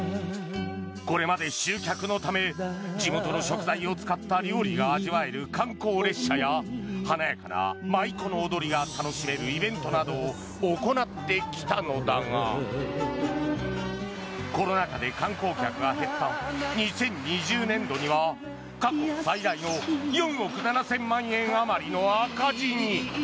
これまで集客のため地元の食材を使った料理が味わえる観光列車や華やかな舞妓の踊りが楽しめるイベントなどを行ってきたのだがコロナ禍で観光客が減った２０２０年度には過去最大の４億７０００万円あまりの赤字に。